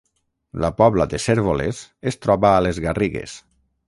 La Pobla de Cérvoles es troba a les Garrigues